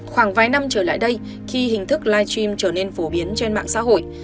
khoảng vài năm trở lại đây khi hình thức live stream trở nên phổ biến trên mạng xã hội